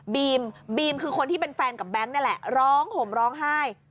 บีมคือคนที่เป็นแฟนกับแบงค์นี่แหละร้องห่มร้องไห้